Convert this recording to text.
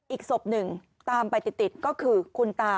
อีกศพหนึ่งตามไปติดก็คือคุณตา